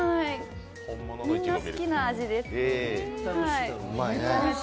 みんな好きな味です。